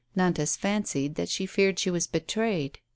Nantas fancied that she feared she was betrayed.